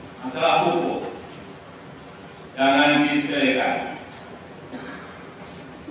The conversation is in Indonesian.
masalah hukum jangan disediakan